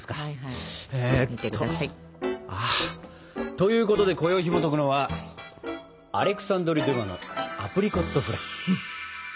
ということでこよいひもとくのは「アレクサンドル・デュマのアプリコットフラン」。